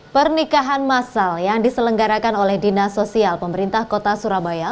pernikahan masal yang diselenggarakan oleh dinasosial pemerintah kota surabaya